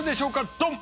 ドン！